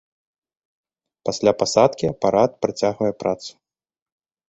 Пасля пасадкі апарат працягвае працу.